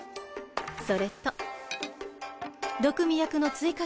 それと毒見役の追加